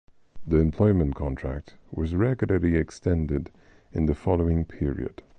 The employment contract was regularly extended in the following period.